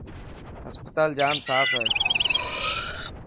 هسپتال ڄام صاف هي.